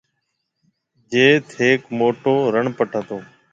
جيٿ هيڪ موٽو رڻ پَٽ هتو۔